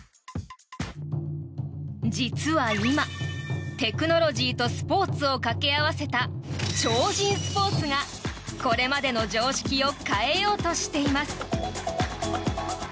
実は今、テクノロジーとスポーツを掛け合わせた超人スポーツがこれまでの常識を変えようとしています。